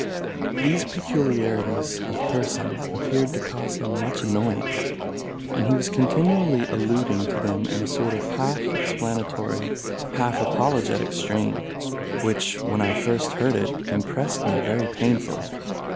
These peculiarities of person appeared to cause him much annoyance, and he was continually alluding to them in a sort of half explanatory, half apologetic strain, which, when I first heard it, impressed me very painfully.